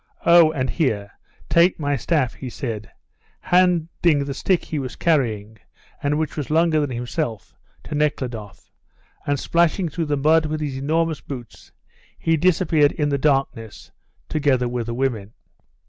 Oh, and here, take my staff," he said, handing the stick he was carrying, and which was longer than himself, to Nekhludoff; and splashing through the mud with his enormous boots, he disappeared in the darkness, together with the women.